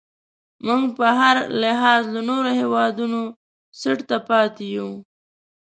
موږ په هر لحاظ له نورو هیوادونو څټ ته پاتې یو.